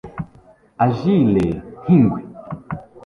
Agile nkingwe